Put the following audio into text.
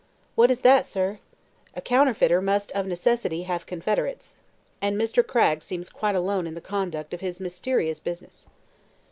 "What is that, sir?" "A counterfeiter must of necessity have confederates, and Mr. Cragg seems quite alone in the conduct of his mysterious business."